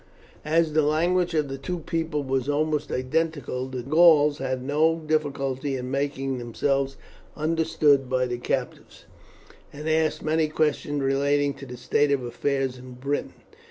As the language of the two peoples was almost identical, the Gauls had no difficulty in making themselves understood by the captives, and asked many questions relating to the state of affairs in Britain.